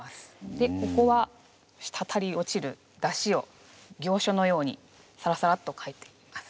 でここはしたたり落ちるだしを行書のようにさらさらっと書いています。